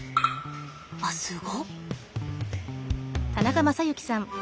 あっすご。